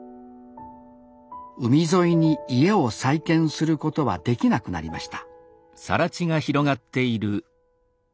海沿いに家を再建することはできなくなりました